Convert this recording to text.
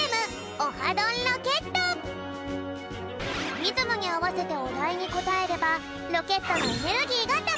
リズムにあわせておだいにこたえればロケットのエネルギーがたまるぴょん！